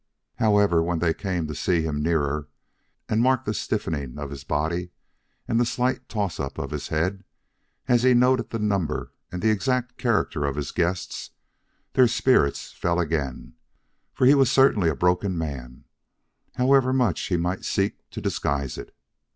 However, when they came to see him nearer, and marked the stiffening of his body and the slight toss up of his head, as he noted the number and the exact character of his guests, their spirits fell again, for he was certainly a broken man, however much he might seek to disguise it.